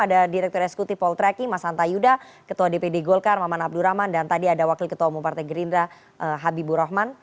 ada direktur eksekutif poltreking mas hanta yuda ketua dpd golkar maman abdurrahman dan tadi ada wakil ketua umum partai gerindra habibur rahman